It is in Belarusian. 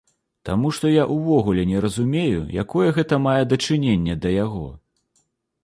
Таму што я ўвогуле не разумею, якое гэта мае дачыненне да яго.